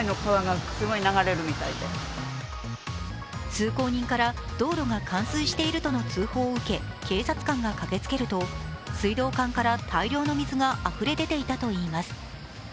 通行人から、道路が冠水しているとの通報を受け警察官が駆けつけると水道管から大量の水があふれ出ていたといいます。